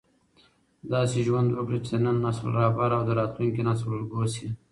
داسې ژوند وکړه چې د نن نسل رهبر او د راتلونکي نسل الګو شې.